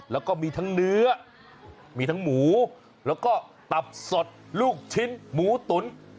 แล้วก็มีทั้งเนื้อมีทั้งหมูแล้วก็ตับสดลูกชิ้นหมูตุ๋น